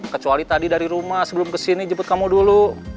kecuali tadi dari rumah sebelum kesini jemput kamu dulu